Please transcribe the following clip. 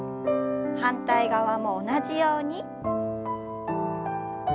反対側も同じように。